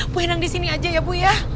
bu henang di sini aja ya bu ya